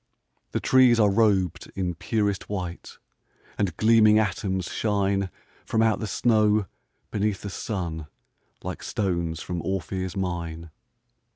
The trees are rob'd in purest white, And gleaming atoms shine From out the snow, beneath the sun, Like stones from Ophir's mine.